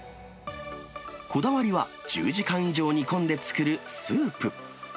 こだわりは１０時間以上煮込んで作るスープ。